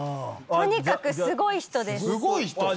とにかくすごい人です。